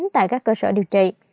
tại các cơ sở điều trị